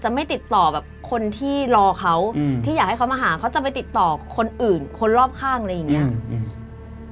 ไม่ติดต่อแบบคนที่รอเขาอืมที่อยากให้เขามาหาเขาจะไปติดต่อคนอื่นคนรอบข้างอะไรอย่างเงี้ยอืม